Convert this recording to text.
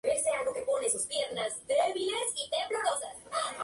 Actualmente, es profesor adjunto de biología en la Harris-Stowe State University.